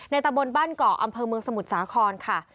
ตะบนบ้านเกาะอำเภอเมืองสมุทรสาครค่ะ